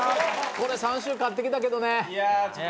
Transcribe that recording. これ３週勝ってきたけどね。